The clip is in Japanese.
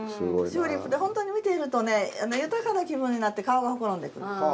チューリップって本当に見ているとね豊かな気分になって顔がほころんでくる。